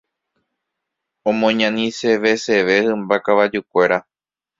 Omoñaniseveseve hymba kavajukuéra.